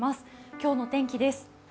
今日の天気です。